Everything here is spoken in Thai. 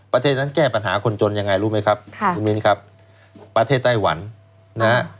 ประเทศนั้นแก้ปัญหาคนจนยังไงรู้ไหมครับค่ะคุณมินครับประเทศไต้หวันนะฮะ